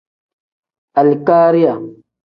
Alikariya.